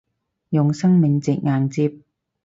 用生命值硬接